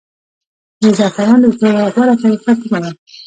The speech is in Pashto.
د زعفرانو د وچولو غوره طریقه کومه ده؟